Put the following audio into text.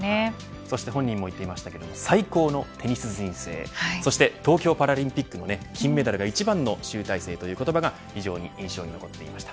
そして本人も言っていましたけども最高のテニス人生そして東京パラリンピックの金メダルが一番の集大成という言葉は非常に印象に残っていました。